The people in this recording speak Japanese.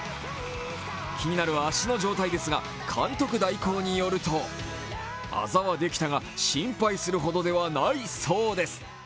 気になる足の状態ですが、監督代行によるとあざはできたが、心配するほどではないそうです。